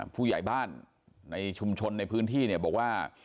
ผู้ใหญ่บ้านในชุมชนในพื้นที่เนี่ยบอกว่า